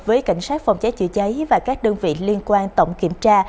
với cảnh sát phòng cháy chữa cháy và các đơn vị liên quan tổng kiểm tra